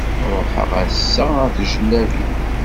Ruḥeɣ ass-a ar Tijellabin.